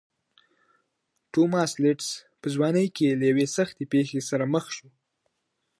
توماس لېډز په ځوانۍ کې له یوې سختې پېښې سره مخ شو.